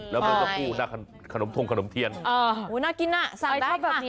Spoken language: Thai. แล้วก็พูด้านขนมทงขนมเทียนโอ้โหน่ากินน่ะสั่งแบบนี้